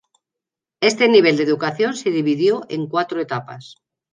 Este nivel de educación se dividió en cuatro etapas.